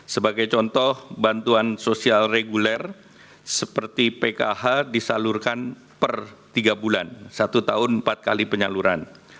sebagai contoh bantuan sosial reguler seperti pkh disalurkan per tiga bulan satu tahun empat kali penyaluran